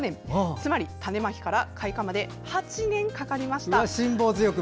つまり種まきから開花まで８年かかりました。